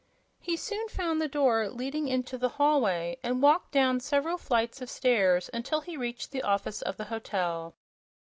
He soon found the door leading into the hallway and walked down several flights of stairs until he reached the office of the hotel.